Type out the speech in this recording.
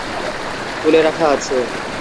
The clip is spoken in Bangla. তুলে রাখা আছে।